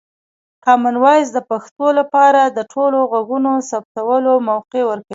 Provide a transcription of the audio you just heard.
کامن وایس د پښتو لپاره د ټولو غږونو ثبتولو موقع ورکوي.